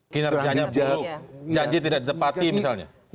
kinerjanya buruk janji tidak ditepati misalnya